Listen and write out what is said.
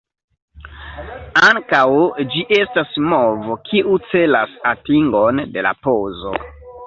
Ankaŭ ĝi estas movo kiu celas atingon de la pozo.